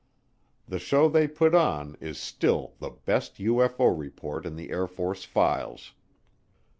The show they put on is still the best UFO report in the Air Force files.